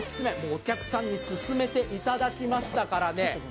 お客さんに勧めていただきましたからね。